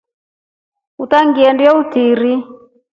Utangindelye utiiri.